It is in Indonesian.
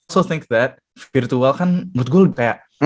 so i think that virtual kan menurut gue kayak